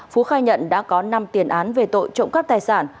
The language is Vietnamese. phú khai nhận đã có năm tiền án về tội trộm cắt tài sản